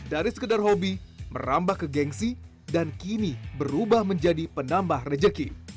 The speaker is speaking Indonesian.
dari sekedar hobi merambah ke gengsi dan kini berubah menjadi penambah rejeki